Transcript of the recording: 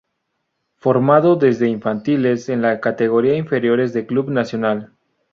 Formado desde infantiles en las categorías inferiores de Club Nacional.